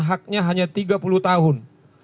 haknya hanya tiga puluh tahun